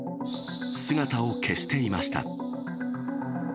姿を消していました。